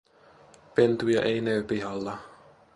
Pentuja ei näy pihalla.